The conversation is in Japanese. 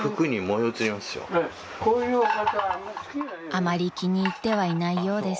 ［あまり気に入ってはいないようです］